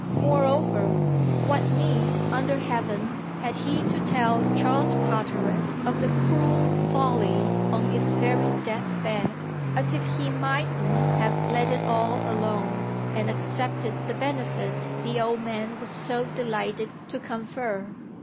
Moreover, what need under heaven had he to tell Charles Carteret of the cruel folly on his very death bed? as if he mightn't have let it all alone and accepted the benefit the old man was so delighted to confer.